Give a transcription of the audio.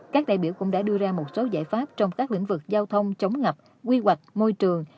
các đại biểu cũng đã đưa ra một số giải pháp trong các lĩnh vực giao thông chống ngập quy hoạch môi trường